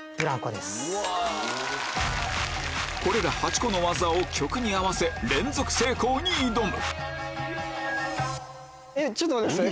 これら８個の技を曲に合わせ連続成功に挑む！